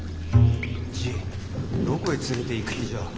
じいどこへ連れていく気じゃ。